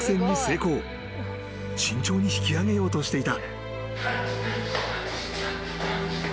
［慎重に引き上げようとしていた］